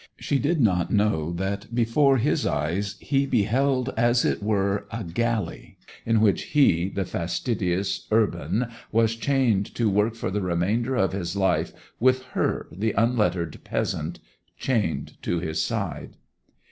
She did not know that before his eyes he beheld as it were a galley, in which he, the fastidious urban, was chained to work for the remainder of his life, with her, the unlettered peasant, chained to his side.